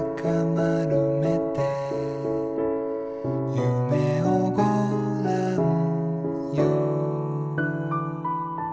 「夢をごらんよ」